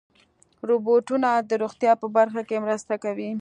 روبوټونه د روغتیا په برخه کې مرسته کوي.